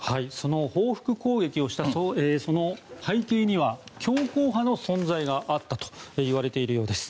報復攻撃をした背景には強硬派の存在があったといわれているようです。